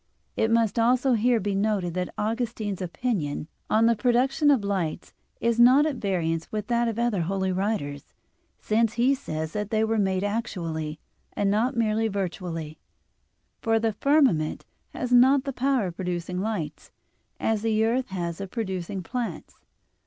It must also here be noted that Augustine's opinion (Gen. ad lit. v, 5) on the production of lights is not at variance with that of other holy writers, since he says that they were made actually, and not merely virtually, for the firmament has not the power of producing lights, as the earth has of producing plants.